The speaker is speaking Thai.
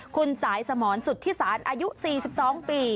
คุณสายสมรสุทธิศาลอายุ๔๒ปี